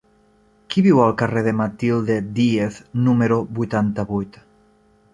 Qui viu al carrer de Matilde Díez número vuitanta-vuit?